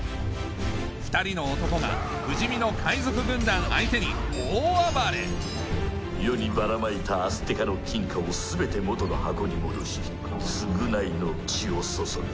２人の男が不死身の海賊軍団相手に大暴れ世にばらまいたアステカの金貨を全て元の箱に戻し償いの血を注ぐ。